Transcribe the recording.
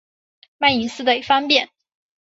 卖隐私得方便